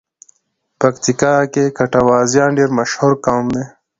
پکیتیکا کې ګټوازیان ډېر مشهور قوم دی.